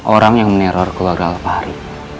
orang yang meneror keluarga matahari